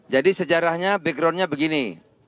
jadi sejarahnya backgroundnya begini